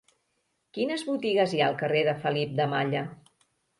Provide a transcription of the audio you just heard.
Quines botigues hi ha al carrer de Felip de Malla?